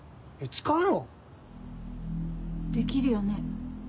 使うの⁉できるよね？